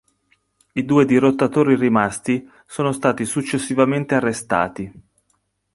I due dirottatori rimasti sono stati successivamente arrestati.